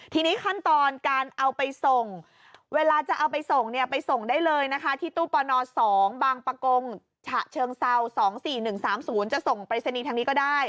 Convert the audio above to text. ทีนี้ขั้นตอนการเอาไปส่งเวลาจะเอาไปส่งไปส่งได้เลยที่ตู้ปน๒บางปช๒๔๑๓๐ส่งไปสนิททางนี้ก็ได้